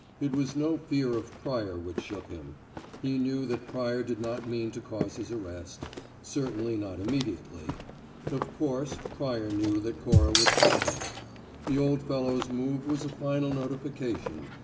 It was no fear of Pryor which shook him. He knew that Pryor did not mean to cause his arrest certainly not immediately. Of course, Pryor knew that Cora would tell him. The old fellow's move was a final notification.